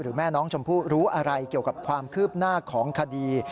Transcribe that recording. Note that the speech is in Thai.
แม่น้องชมพู่รู้อะไรเกี่ยวกับความคืบหน้าของคดี